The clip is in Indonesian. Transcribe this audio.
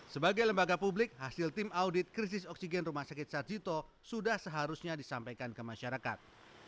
sebagai lembaga publik hasil tim audit krisis oksigen rumah sakit sarjito sudah seharusnya disampaikan ke masyarakat